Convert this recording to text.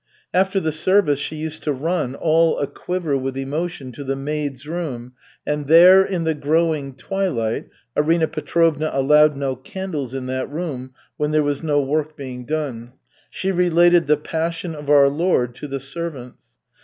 After the service she used to run, all a quiver with emotion, to the maids' room, and there, in the growing twilight (Arina Petrovna allowed no candles in that room when there was no work being done), she related "The Passion of our Lord" to the servants.